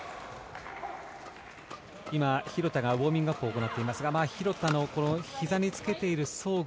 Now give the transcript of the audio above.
今、廣田がウォーミングアップを行っていますが廣田のひざにつけている装具。